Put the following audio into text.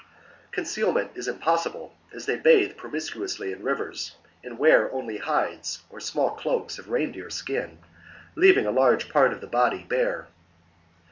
Concealment is impossible, as they bathe promis cuously in rivers and only wear hides or small cloaks of reindeer skin, leaving a large part of the body bare.